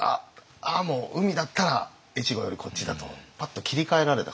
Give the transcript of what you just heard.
もう海だったら越後よりこっちだとパッと切り替えられたこと。